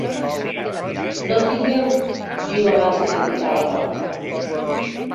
No trigueu! —diu abans de fer petar la porta.